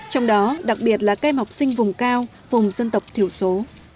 trong đó đặc biệt là các em học sinh vùng cao vùng dân tộc thiểu số